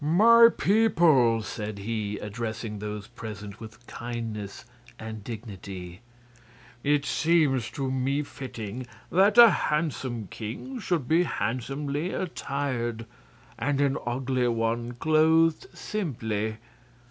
"My people," said he, addressing those present with kindness and dignity, "it seems to me fitting that a handsome king should be handsomely attired, and an ugly one clothed simply.